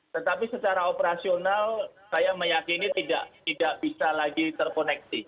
tetapi secara operasional saya meyakini tidak bisa lagi terkoneksi